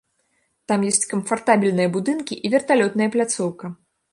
Там ёсць камфартабельныя будынкі і верталётная пляцоўка.